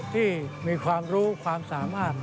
ที่มีความรู้ความสามารถ